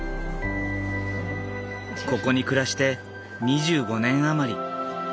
ここに暮らして２５年余り。